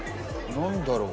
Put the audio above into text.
何だろう。